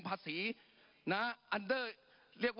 ปรับไปเท่าไหร่ทราบไหมครับ